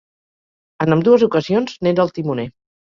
En ambdues ocasions n'era el timoner.